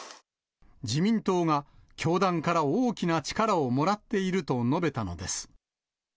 自民党が教団から大きな力をもらっていると述べたのです。